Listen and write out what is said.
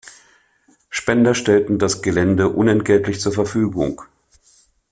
Spender stellten das Gelände unentgeltlich zur Verfügung.